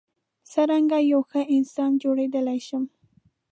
څرنګه یو ښه انسان جوړیدای شم.